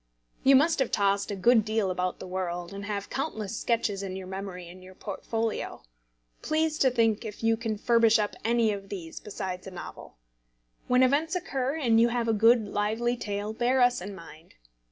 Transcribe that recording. You must have tossed a good deal about the world, and have countless sketches in your memory and your portfolio. Please to think if you can furbish up any of these besides a novel. When events occur, and you have a good lively tale, bear us in mind.